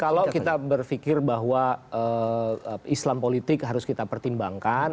kalau kita berpikir bahwa islam politik harus kita pertimbangkan